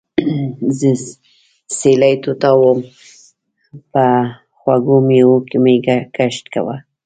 زۀ سېلي طوطا ووم پۀ خوږو مېوو مې ګشت وو